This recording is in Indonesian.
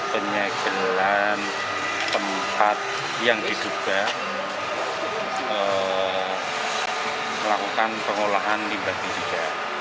penyegelan tempat yang diduga melakukan pengolahan limbah di tiga